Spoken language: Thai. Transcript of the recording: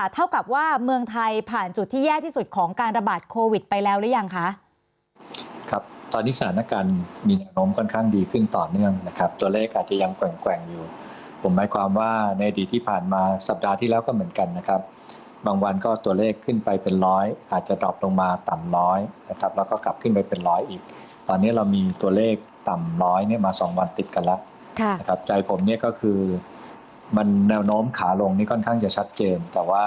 เท่ากับว่าเมืองไทยผ่านจุดที่แย่ที่สุดของการระบาดโควิดไปแล้วหรือยังคะครับตอนนี้สถานการณ์มีแนวโน้มค่อนข้างดีขึ้นต่อเนื่องนะครับตัวเลขอาจจะยังแกว่งแกว่งอยู่ผมให้ความว่าในอดีตที่ผ่านมาสัปดาห์ที่แล้วก็เหมือนกันนะครับบางวันก็ตัวเลขขึ้นไปเป็นร้อยอาจจะดรอปลงมาต่ำร้อยนะครับแล้วก็กล